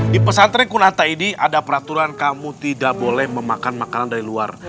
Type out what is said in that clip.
di pesantren kunata ini ada peraturan kamu tidak boleh memakan makanan dari luar